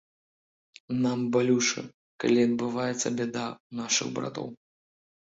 Нам балюча, калі адбываецца бяда ў нашых братоў.